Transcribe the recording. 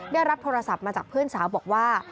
ได้รับโทรศัพท์มาจากเพื่อนสาวบอกว่า